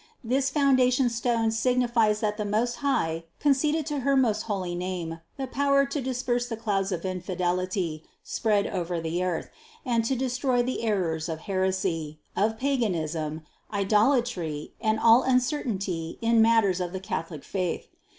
This foundation stone signifies that the Most High conceded to her most holy name the power to disperse the clouds of infidelity spread over the earth, and to destroy the errors of heresy, of paganism, idolatry and all uncertainty in matters of the Catholic faith.